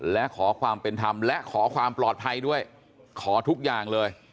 และขอความเป็นธรรมและขอความปลอดภัยด้วยขอทุกอย่างเลย